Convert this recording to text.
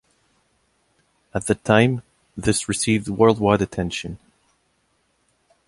At the time, this received worldwide attention.